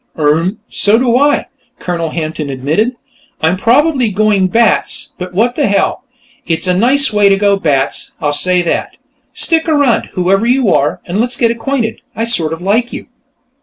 "Urmh! So do I," Colonel Hampton admitted. "I'm probably going bats, but what the hell? It's a nice way to go bats, I'll say that.... Stick around; whoever you are, and let's get acquainted. I sort of like you."